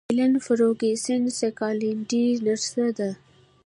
هیلن فرګوسن سکاټلنډۍ نرسه ده.